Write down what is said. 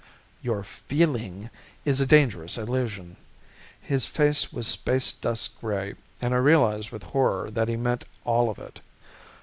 "Your 'feeling' is a dangerous illusion." His face was space dust grey and I realized with horror that he meant all of it.